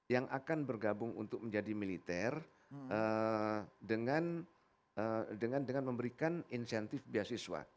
yang akan bergabung untuk menjadi militer dengan memberikan insentif beasiswa